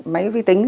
máy vi tính